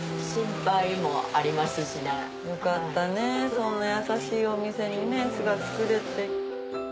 そんな優しいお店に巣が作れて。